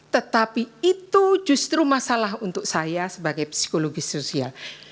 tetapi itu justru masalah untuk saya sebagai psikologis sosial